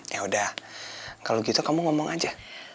yaudah kalo gitu kamu ngomong aja